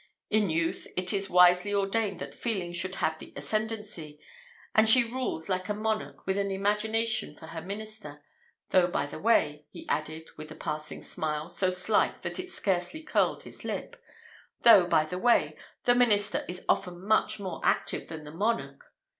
In youth, it is wisely ordained that feeling should have the ascendancy; and she rules like a monarch, with imagination for her minister; though, by the way," he added, with a passing smile, so slight that it scarcely curled his lip, "though, by the way, the minister is often much more active than the monarch.